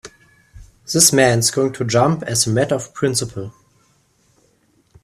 This man's going to jump as a matter of principle.